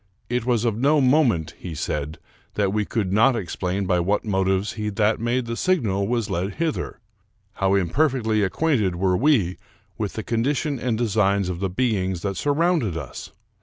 It was of no moment, he said, that we could not explain by what motives he that made the signal was led hither. How imperfectly acquainted were we with the condition and designs of the beings that surrounded us!